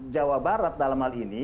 jawa barat dalam hal ini